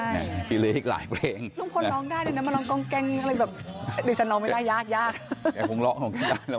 มันออกมันยังมักมันออกมันแปลงมันออกมันแปลง